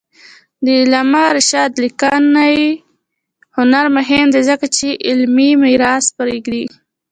د علامه رشاد لیکنی هنر مهم دی ځکه چې علمي میراث پرېږدي.